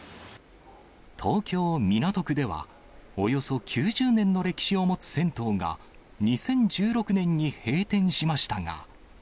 東京・港区では、およそ９０年の歴史を持つ銭湯が、２０１６年に閉店しましたが。